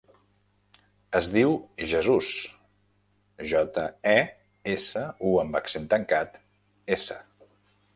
Es diu Jesús: jota, e, essa, u amb accent tancat, essa.